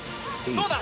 どうだ？